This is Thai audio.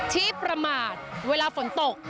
ที่ประมาทเวลาฝนตก